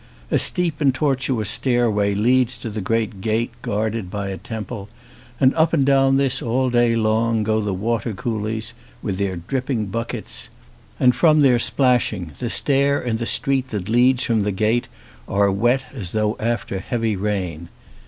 A steep and tortuous stairway leads to the great gate guarded by a temple, and up and down this all day long go the water coolies, with their dripping buckets ; and from their splashing the stair and the street that leads from the gate are wet as though after heavy rain.